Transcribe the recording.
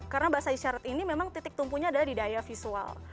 karena bahasa isyarat ini memang titik tumpunya adalah di daya visual